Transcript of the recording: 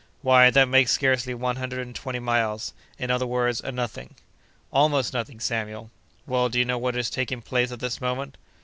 "Why, that makes scarcely one hundred and twenty miles—in other words, a nothing." "Almost nothing, Samuel." "Well, do you know what is taking place at this moment?"